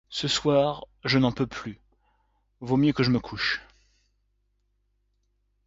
Ce soir, je n'en peux plus, vaut mieux que je me couche.